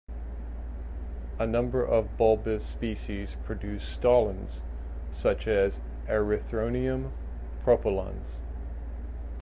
A number of bulbous species produce stolons, such as "Erythronium propullans".